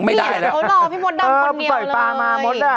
ไม่ได้แล้วพี่หมดด้ำกว่าเดียวเลยเออปล่อยปลามาหมดอ่ะ